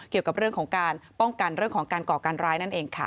เกี่ยวกับเรื่องของการป้องกันเรื่องของการก่อการร้ายนั่นเองค่ะ